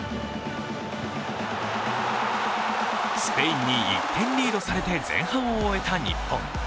スペインに１点リードされて前半を終えた日本。